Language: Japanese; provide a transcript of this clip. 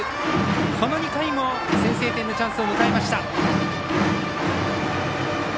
この２回も、先制点のチャンスを迎えました。